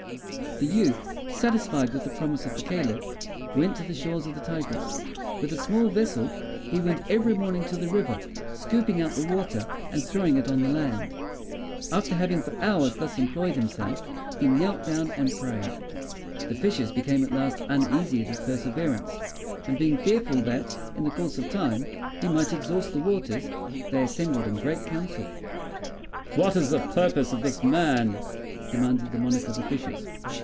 The youth, satisfied with the promise of the Caliph, went to the shores of the Tigris. With a small vessel he went every morning to the river, scooping out the water and throwing it on the land; and after having for hours thus employed himself, he knelt down and prayed. The fishes became at last uneasy at his perseverance; and being fearful that, in the course of time, he might exhaust the waters, they assembled in great council. "What is the purpose of this man?" demanded the monarch of the fishes.